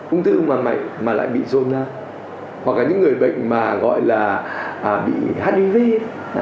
ung thư mà lại bị zona hoặc là những người bệnh mà gọi là bị hdv đấy mà bị zona là rất là khó chữa